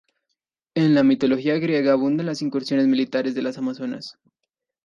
En la mitología griega abundan las incursiones militares de las amazonas.